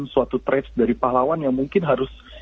suatu trage dari pahlawan yang mungkin harus